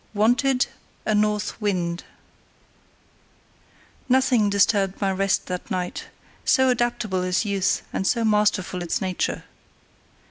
Wanted, a North Wind Nothing disturbed my rest that night, so adaptable is youth and so masterful is nature.